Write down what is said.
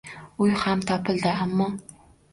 Uy ham topildi. Ammo: